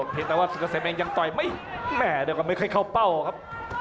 เห็นแต่ว่าสุขเสมยังต่อยไม่แน่เดี๋ยวกว่าไม่เคยเข้าเป้าครับ